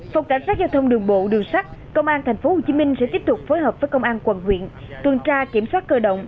phòng cảnh sát giao thông đường bộ đường sắt công an tp hcm sẽ tiếp tục phối hợp với công an quận huyện tuần tra kiểm soát cơ động